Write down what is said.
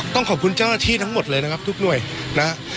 ต้องขอบคุณเจ้าหน้าที่ทั้งหมดเลยนะครับทุกหน่วยนะฮะ